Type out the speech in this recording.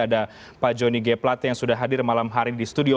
ada pak joni g plat yang sudah hadir malam hari di studio